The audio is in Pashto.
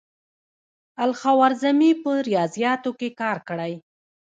الخوارزمي په ریاضیاتو کې کار کړی.